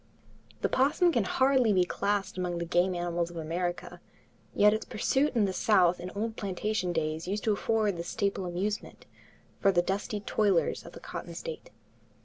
The opossum can hardly be classed among the game animals of America, yet its pursuit in the South in old plantation days used to afford the staple amusement for the dusky toilers of the cotton states.